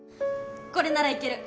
これならいける！